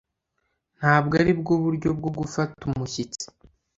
ntabwo aribwo buryo bwo gufata umushyitsi